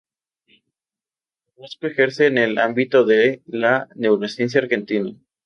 Brusco ejerce en el ámbito de la neurociencia argentina.